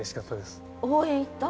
応援行った？